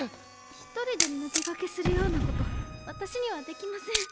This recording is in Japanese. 一人でぬけがけするようなことわたしにはできません。